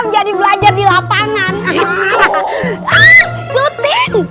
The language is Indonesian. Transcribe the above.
jadi belajar di lapangan